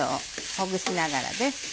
ほぐしながらです。